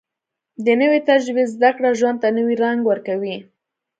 د نوې تجربې زده کړه ژوند ته نوې رنګ ورکوي